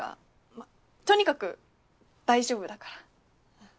まぁとにかく大丈夫だから。